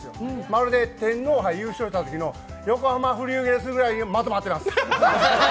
まるで天皇杯優勝したときの横浜フリューゲルスぐらいにまとまっています。